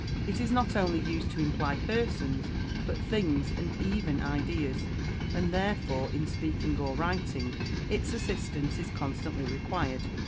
It is not only used to imply persons, but things, and even, ideas, and therefore, in speaking or writing, its assistance is constantly required.